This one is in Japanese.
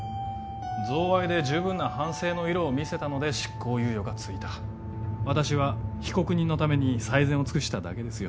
贈賄で十分な反省の色を見せたので執行猶予がついた私は被告人のために最善を尽くしただけですよ